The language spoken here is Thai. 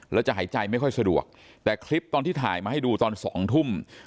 แล้วจะหายใจไม่ค่อยสะดวกแต่คลิปตอนที่ถ่ายมาให้ดูตอน๒ทุ่ม